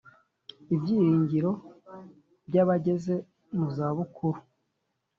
Ibyiringiro by abageze mu za bukuru